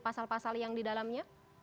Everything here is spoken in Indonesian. pasal pasal yang didalamnya